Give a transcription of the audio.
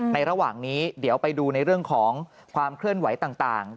ระหว่างนี้เดี๋ยวไปดูในเรื่องของความเคลื่อนไหวต่าง